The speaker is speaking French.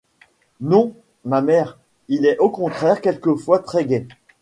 Non, ma mère, il est au contraire quelquefois très-gai.